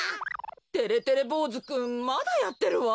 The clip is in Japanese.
てれてれぼうずくんまだやってるわ。